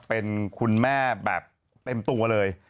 เป็นคุณแม่แบบเต็มตัวเลย